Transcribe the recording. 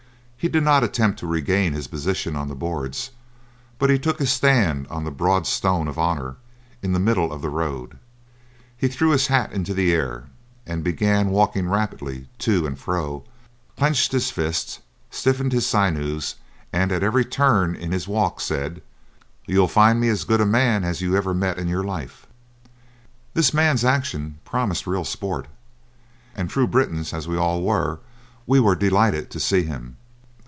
He did not attempt to regain his position on the boards, but took his stand on the broad stone of honour in the middle of the road. He threw up his hat into the air, and began walking rapidly to and fro, clenched his fists, stiffened his sinews, and at every turn in his walk said: "You'll find me as good a man as ever you met in your life." This man's action promised real sport, and true Britons as we all were we were delighted to see him.